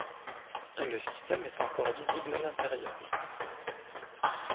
Le système est encore visible à l'intérieur.